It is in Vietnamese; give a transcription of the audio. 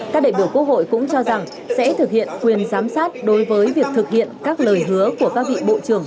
các đại biểu quốc hội cũng cho rằng sẽ thực hiện quyền giám sát đối với việc thực hiện các lời hứa của các vị bộ trưởng